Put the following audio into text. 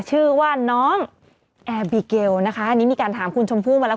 ชื่อว่าน้องแอร์บิเกลนะคะอันนี้มีการถามคุณชมพู่มาแล้ว